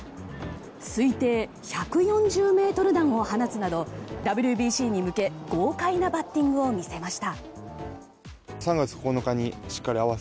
推定１４０ｍ弾を放つなどＷＢＣに向け、豪快なバッティングを見せました。